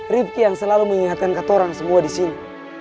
rifki yang selalu mengingatkan kotoran semua di sini